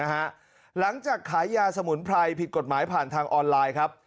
หลังจากขายยาสมุนไพรผิดกฎหมายผ่านทางออนไลน์ครับ